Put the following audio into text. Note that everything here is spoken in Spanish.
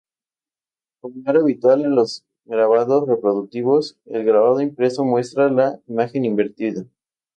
Como era habitual en los grabados reproductivos, el grabado impreso muestra la imagen invertida.